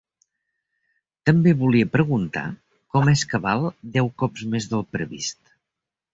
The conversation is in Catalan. També volia preguntar com és que val deu cops més del previst.